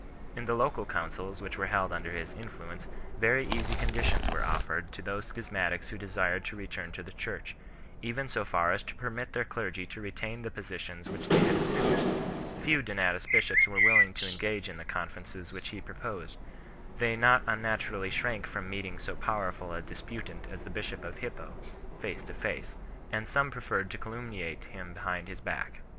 In the local councils which were held under his influence very easy conditions were offered to those schis matics who desired to return to the Church 4 , even so far as to permit their clergy to retain the positions which they had assumed. Few Donatist bishops were willing to engage in the conferences which he proposed ; they not unnaturally shrank from meeting so powerful a dis putant as the bishop of Hippo face to face, and some preferred to calumniate him behind his back.